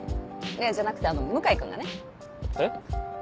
じゃなくて向井君がね。え？